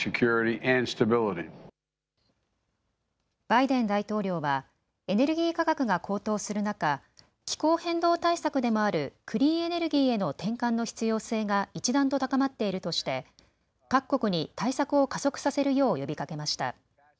バイデン大統領はエネルギー価格が高騰する中、気候変動対策でもあるクリーンエネルギーへの転換の必要性が一段と高まっているとして各国に対策を加速させるよう呼びかけました。